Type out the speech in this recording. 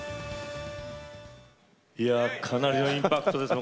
かなりのインパクトですね。